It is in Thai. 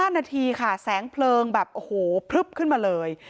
๕นาทีค่ะแสงเพลิงแบบโอ้โหพลึบขึ้นมาเลย